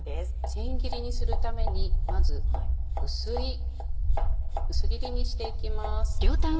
せん切りにするためにまず薄い薄切りにしていきます。